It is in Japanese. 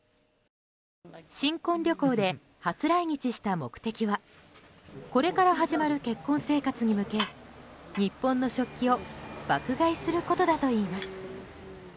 新婚旅行で初来日した目的はこれから始まる結婚生活に向け日本の食器を爆買いすることだといいます。